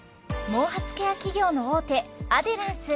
毛髪ケア企業の大手アデランス